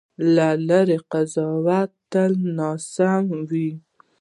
له لرې قضاوت تل ناسم وي.